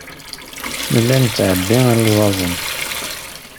Nella nettɛebbi alzazen.